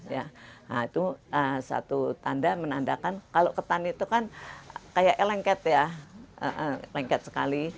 nah itu satu tanda menandakan kalau ketan itu kan kayak lengket ya lengket sekali